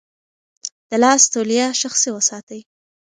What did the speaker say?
د لاس توليه شخصي وساتئ.